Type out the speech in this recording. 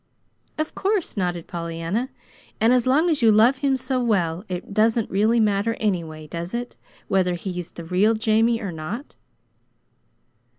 "Of course," nodded Pollyanna. "And as long as you love him so well, it doesn't really matter, anyway, does it, whether he's the real Jamie or not?"